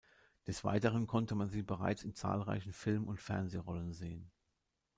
Des Weiteren konnte man sie bereits in zahlreichen Film- und Fernsehrollen sehen.